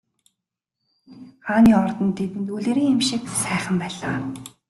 Хааны ордон тэдэнд үлгэрийн юм шиг сайхан байлаа.